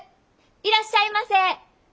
いらっしゃいませ。